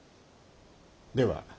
では。